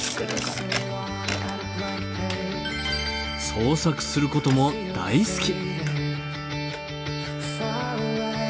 創作することも大好き。